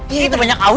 itu banyak awi